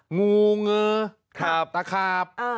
งูเงอคาปตะคาป